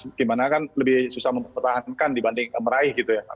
bagaimana kan lebih susah mempertahankan dibanding meraih gitu ya